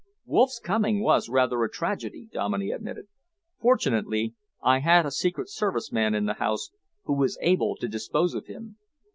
"Wolff's coming was rather a tragedy," Dominey admitted. "Fortunately, I had a secret service man in the house who was able to dispose of him."